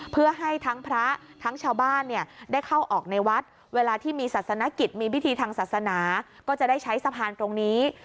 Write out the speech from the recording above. เพื่อให้ทั้งพระทั้งชาวบ้านเนี่ยได้เข้าออกในวัดเวลาที่มีศาสนกิจมีพิธีทางศาสนาก็จะได้ใช้สะพานตรงนี้